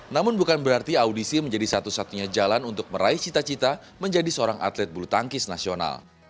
namun bukan berarti audisi menjadi satu satunya jalan untuk meraih cita cita menjadi seorang atlet bulu tangkis nasional